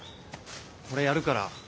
これやるから。